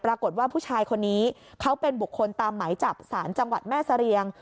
ปรากฏว่าผู้ชายคนนี้เขาเป็นบุคคลตามหมายจับสารจังหวัดแม่เสรียง